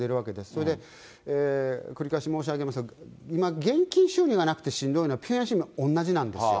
それで、繰り返し申し上げますが、今、現金収入がなくて、しんどいのはピョンヤン市民も同じなんですよ。